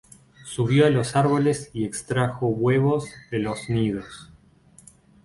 Subió a los árboles y extrajo huevos de los nidos.